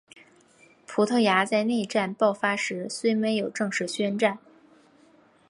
葡萄牙在内战爆发时虽没有正式宣战。